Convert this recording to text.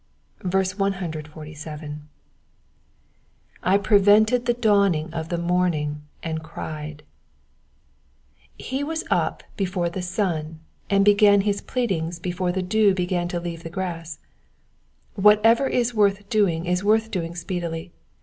147. —/ prevented the dawning of the morning^ and cried,'*'* He was up before the sun, and began his pleadings before the dew began to leave the grass. Whatever is worth doing is worth doing speedily.